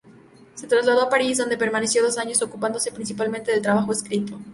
Se trasladó a París, donde permaneció dos años, ocupándose principalmente del trabajo escrito.